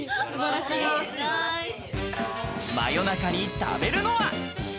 夜中に食べるのは？